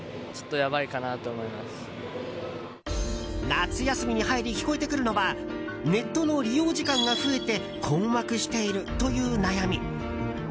夏休みに入り聞こえてくるのはネットの利用時間が増えて困惑しているという悩み。